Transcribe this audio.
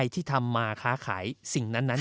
ที่ทำมาค้าขายสิ่งนั้น